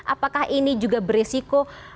apakah ini juga beresiko